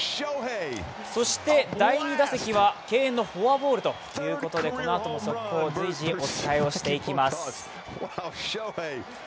そして第２打席は敬遠のフォアボールということでこのあとも速報を随時、お伝えしていきます。